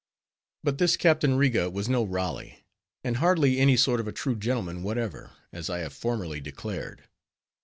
But this Captain Riga was no Raleigh, and hardly any sort of a true gentleman whatever, as I have formerly declared.